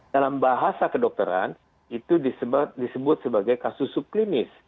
dalam bahasa kedokteran itu disebut sebagai kasus subklinis